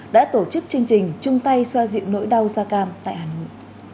đã tổ chức chương trình trung tay xoa dịu nỗi đau da cam tại hàn nguyễn